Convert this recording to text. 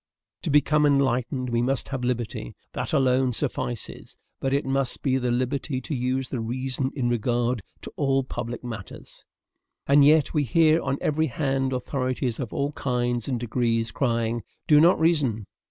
"To become enlightened, we must have liberty. That alone suffices; but it must be the liberty to use the reason in regard to all public matters. "And yet we hear on every hand authorities of all kinds and degrees crying: 'Do not reason!'